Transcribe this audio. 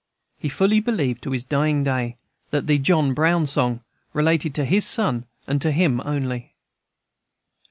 He fully believed, to his dying day, that the "John Brown Song" related to his son, and to him only.